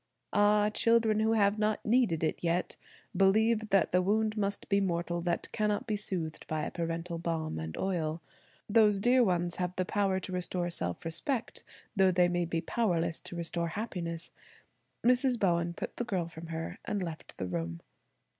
Ah! children who have not needed it yet, believe that the wound must be mortal that cannot be soothed by a parental balm and oil. Those dear ones have the power to restore self respect though they may be powerless to restore happiness. Mrs. Bowen put the girl from her and left the room.